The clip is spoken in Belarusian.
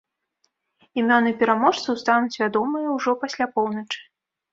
Імёны пераможцаў стануць вядомыя ўжо пасля поўначы.